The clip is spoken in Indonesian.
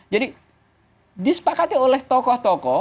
jadi disepakati oleh tokoh tokoh